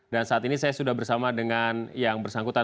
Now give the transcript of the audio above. dan saat ini saya sudah bersama dengan yang bersangkutan